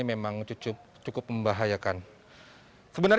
ini pergantinya berbesar